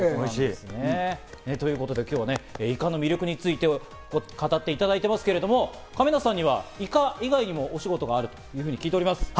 ということで、今日はイカの魅力について語っていただいていますけれども、亀梨さんにはイカ以外にも推しゴトがあるというふうに聞いております。